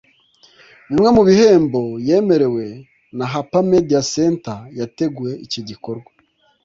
Bimwe mu bihembo yemerewe na Hapa Media Center yateguye iki gikorwa